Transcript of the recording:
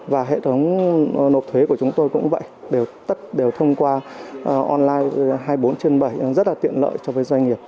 và hệ thống nộp thuế của chúng tôi cũng vậy đều thông qua online hai mươi bốn trên bảy rất là tiện lợi cho doanh nghiệp